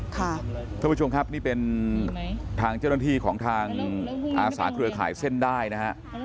คุณผู้ชมครับนี่เป็นทางเจ้าหน้าที่ของทางอาสาเครือข่ายเส้นได้นะฮะ